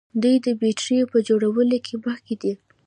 دوی د بیټریو په جوړولو کې مخکښ دي.